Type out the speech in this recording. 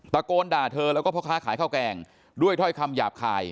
ตะโกนด่าเธอแล้วก็พ่อค้าขายข้าวแกงด้วยถ้อยคำหยาบคาย